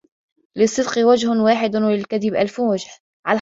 للصدق وجه واحد وللكذب ألف وجه.